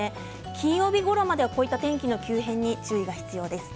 金曜日ごろまではこういった天気の急変に注意が必要です。